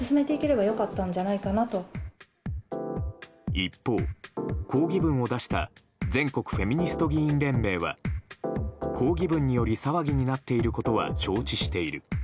一方、抗議文を出した全国フェミニスト議員連盟は抗議文により、騒ぎになっていることは承知している。